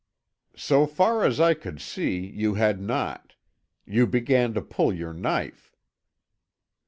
"So far as I could see you had not. You began to pull your knife."